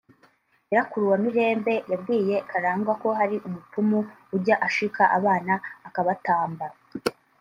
nyirakuru wa Mirembe yabwiye Kalangwa ko hari umupfumu ujya ashika abana akabatamba